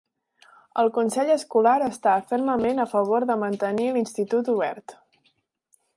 El consell escolar està fermament a favor de mantenir l'institut obert.